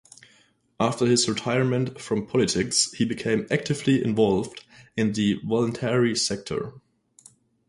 After his retirement from politics he became actively involved in the voluntary sector.